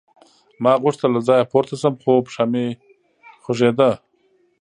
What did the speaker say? ما غوښتل له ځایه پورته شم خو پښه مې خوږېده